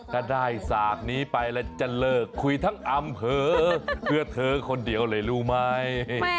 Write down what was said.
ถ้าได้สากนี้ไปแล้วจะเลิกคุยทั้งอำเภอเพื่อเธอคนเดียวเลยรู้ไหม